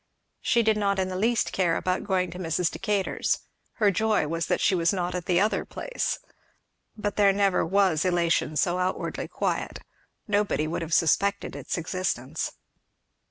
She did not in the least care about going to Mrs. Decatur's; her joy was that she was not at the other place. But there never was elation so outwardly quiet. Nobody would have suspected its existence.